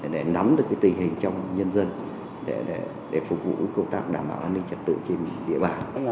để nắm được tình hình trong nhân dân để phục vụ công tác đảm bảo an ninh trật tự trên địa bàn